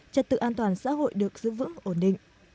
trật tự an toàn xã hội được giữ vững ổn định